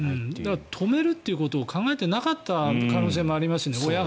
親が止めるということを考えてなかった可能性もありますね。